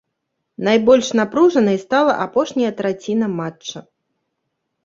Найбольш напружанай стала апошняя траціна матча.